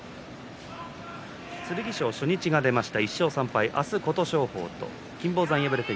剣翔、初日が出ました。